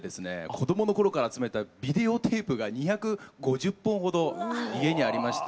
子供の頃から集めたビデオテープが２５０本ほど家にありまして。